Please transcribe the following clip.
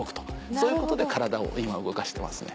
そういうことで体を今動かしてますね。